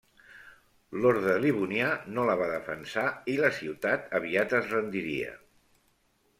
L'Orde Livonià no la va defensar i la ciutat aviat es rendiria.